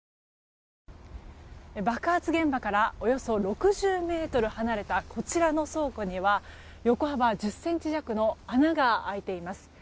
爆発現場からおよそ６０ｍ離れたこちらの倉庫には横幅１０ｃｍ弱の穴が開いています。